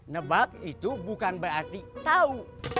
nebak itu bukan berarti tahu